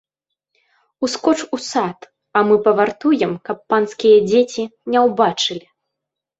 Ускоч у сад, а мы павартуем, каб панскія дзеці не ўбачылі.